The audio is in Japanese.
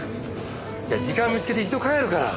いや時間を見つけて一度帰るから。